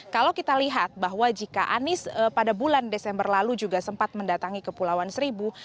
kalau kita lihat bahwa jika anies pada bulan desember lalu juga sempat mendatangi kepulauan seribu